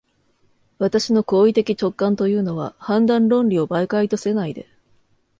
私の行為的直観というのは、判断論理を媒介とせないで、